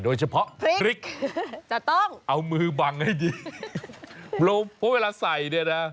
เฉพาะพริกจะต้องเอามือบังให้ดีเพราะเวลาใส่เนี่ยนะ